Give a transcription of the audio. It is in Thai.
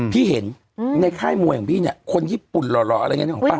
พี่เห็นในค่ายมวยของพี่เนี่ยคนญี่ปุ่นหล่ออะไรอย่างนี้ของป้า